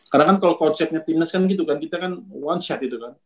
karena kan kalau konsepnya timnas kan gitu kan kita kan one shot gitu kan